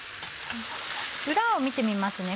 裏を見てみますね